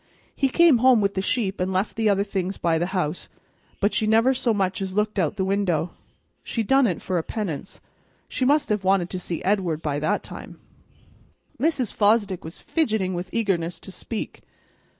He come home with the sheep an' left the other things by the house, but she never so much as looked out o' the window. She done it for a penance. She must have wanted to see Edward by that time." Mrs. Fosdick was fidgeting with eagerness to speak.